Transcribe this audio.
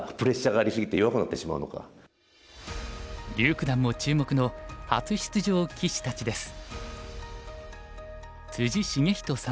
柳九段も注目の初出場棋士たちです。